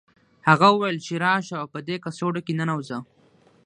هغه وویل چې راشه او په دې کڅوړه کې ننوځه